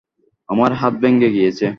আমার হাত ভেঙ্গে গিয়েছে।